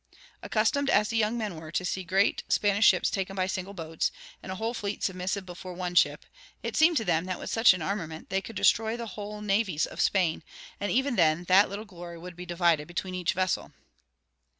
Accustomed as the young men were to see great Spanish ships taken by single boats, and a whole fleet submissive before one ship, it seemed to them that with such an armament they could destroy the whole navies of Spain, and even then that little glory would be divided between each vessel.